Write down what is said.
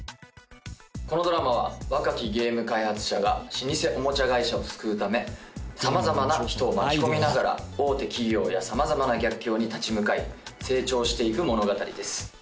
このドラマは若きゲーム開発者が老舗おもちゃ会社を救うため様々な人を巻き込みながら大手企業や様々な逆境に立ち向かい成長していく物語です